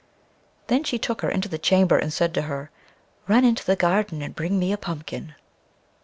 Then she took her into her chamber, and said to her: "Run into the garden, and bring me a pumpkin."